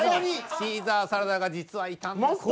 シーザーサラダが実はいたんですね。